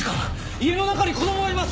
家の中に子供がいます！